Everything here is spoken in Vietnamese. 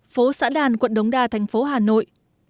phố xã đàn quận đống đa thành phố hà nội